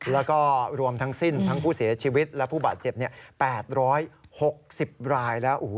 แล้วก็รวมทั้งสิ้นทั้งผู้เสียชีวิตและผู้บาดเจ็บ๘๖๐รายแล้ว